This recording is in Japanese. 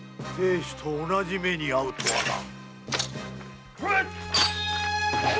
亭主と同じ目に遭うとはな。